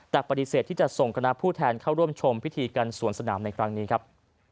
แต่ปฏิเสธที่จะส่งคณะผู้แทนเข้าร่วมชมพิธีการสวนสนามในครั้งนี้ครับ